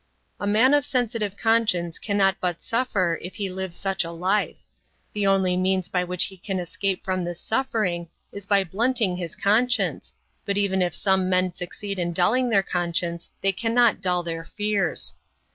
A man of sensitive conscience cannot but suffer if he lives such a life. The only means by which he can escape from this suffering is by blunting his conscience, but even if some men succeed in dulling their conscience they cannot dull their fears.